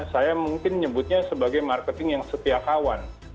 saya mungkin nyebutnya sebagai marketing yang setia kawan